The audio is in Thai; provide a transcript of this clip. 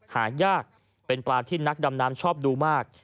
หายากเป็นปลาที่นักดำน้ำชอบดูมาก